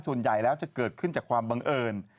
ส่วนใหญ่แล้วจะเกิดขึ้นจากความบังเอิญ